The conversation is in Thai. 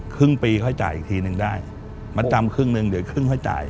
ครึ่งปีค่อยจ่ายอีกทีนึงได้มาจำครึ่งหนึ่งเดี๋ยวครึ่งค่อยจ่าย